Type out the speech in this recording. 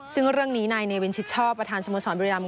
ซึ่งเรื่องนี้นายเนวินชิดชอบประธานสโมสรบริราม